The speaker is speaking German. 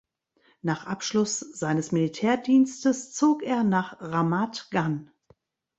Nach Abschluss seines Militärdienstes zog er nach Ramat Gan.